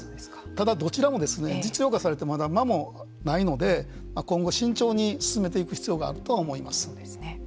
ただ、どちらも実用化されてまだ間もないので今後慎重に進めていく必要があるとは思います。